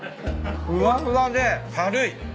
ふわふわで軽い。